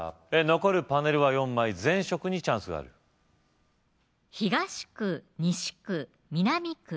残るパネルは４枚全色にチャンスがある東区・西区・南区・北区